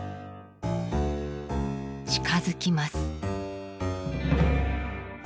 近づきます。